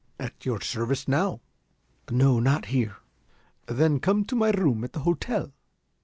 "At your service now, sir." "No; not here." "Then come to my room at the hotel.